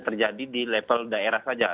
terjadi di level daerah saja